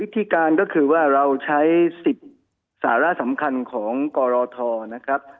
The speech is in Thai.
ที่การก็คือว่าเราใช้๑๐สาระสำคัญของกรทนะครับ